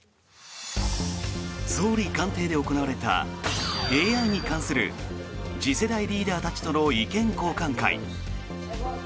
総理官邸で行われたＡＩに関する次世代リーダーたちとの意見交換会。